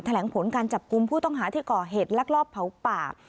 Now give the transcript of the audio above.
แหลงผลการจับกลุ่มผู้ต้องหาที่ก่อเหตุลักลอบเผาป่า